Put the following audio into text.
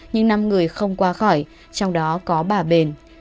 nhưng năm người không qua khỏi trong đó có bà bền